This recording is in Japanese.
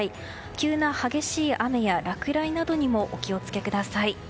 急な激しい雨や落雷などにもお気を付けください。